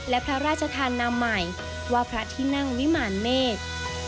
และพระราชธานามใหม่ว่าพระที่นั่งวิมารเมษ